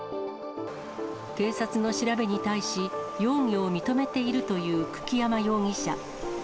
警察の調べに対し、容疑を認めているという久木山容疑者。